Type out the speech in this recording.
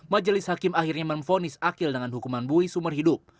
majelis hakim akhirnya memfonis akil dengan hukuman bui seumur hidup